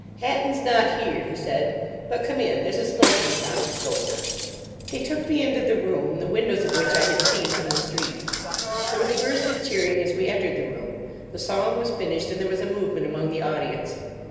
"Hatton's not here," he said, "but come in. There's a smoking concert going on." He took me into the room, the windows of which I had seen from the street. There was a burst of cheering as we entered the room. The song was finished, and there was a movement among the audience.